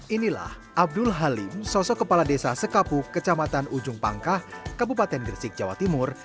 inilah abdul halim sosok kepala desa sekapuk kecamatan ujung pangkah kabupaten gresik jawa timur